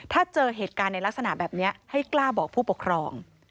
ถ้าเจอเหตุการณ์ในลักษณะแบบนี้ให้กล้าบอกผู้ปกครอง